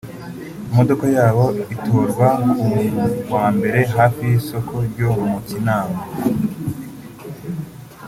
imodoka yabo itorwa ku wa Mbere hafi y’isoko ryo mu Kinama